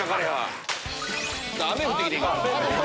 雨降ってきてん今。